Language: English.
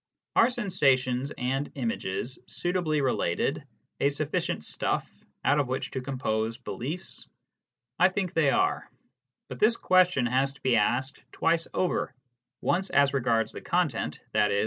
Are sensations and images, suitably related, a sufficient stuff out of which to compose beliefs ? I think they are. But this question has to be asked twice over, once as regards the content, i.e.